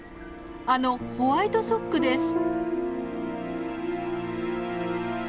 あのホワイトソックです。